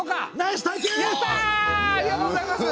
やったありがとうございます。